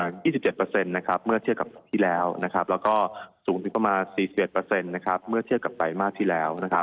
ก็ถือได้ก็ว่ากำไรสุทธิมา